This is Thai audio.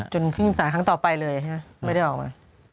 จนขึ้นสารครั้งต่อไปเลยไม่ได้ออกมา